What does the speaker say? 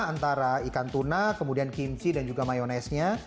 antara ikan tuna kemudian kimchi dan juga mayonnaise nya